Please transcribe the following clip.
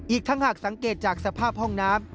อีกทั้งหากสังเกตจากสภาพห้องน้ำ